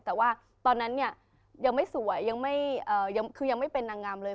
แต่ว่าตอนนั้นยังไม่สวยยังไม่เป็นนางงามเลย